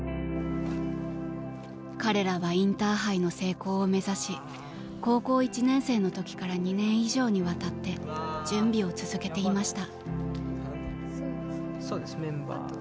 彼らはインターハイの成功を目指し高校１年生の時から２年以上にわたって準備を続けていました。